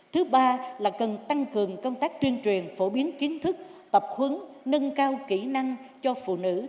thứ ba là cần tăng cường công tác tuyên truyền phổ biến kiến thức tập huấn nâng cao kỹ năng cho phụ nữ